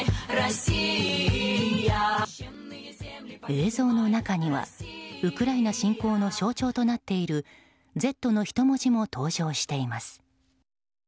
映像の中にはウクライナ侵攻の象徴となっているＺの人文字も登場しています。